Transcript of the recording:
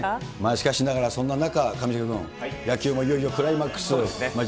しかしながら、そんな中、上重君、野球もいよいよクライマックス。